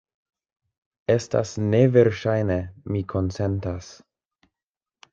Estas neverŝajne; mi konsentas.